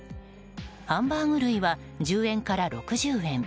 ハンバーグ類は１０円から６０円